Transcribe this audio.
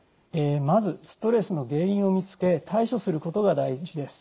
まずストレスの原因を見つけ対処することが第一です。